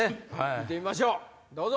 見てみましょうどうぞ。